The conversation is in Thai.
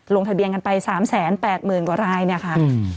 ลงทะเบียนกันไป๓๘๐๐๐กว่ารายเนี่ยค่ะ